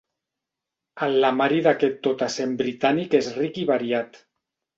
El lemari d'aquest tot-a-cent britànic és ric i variat.